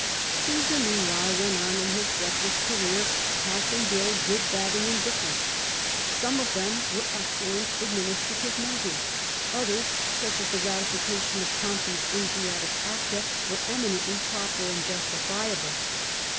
Caesar meanwhile went on in his reckless career, pass ing bills good, bad, and indifferent. Some of them were excellent administrative measures; others — such as the ratification of Pompey's Asiatic acta — were eminently proper and justifiable.